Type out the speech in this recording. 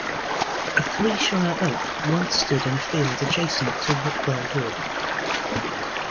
A Three Shire Oak once stood in a field adjacent to Whitwell Wood.